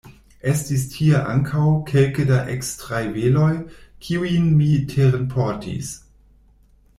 Estis tie ankaŭ kelke da ekstraj veloj, kiujn mi terenportis.